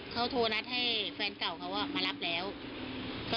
เขาโทรนัดให้แฟนเก่าเขามารับแล้วก็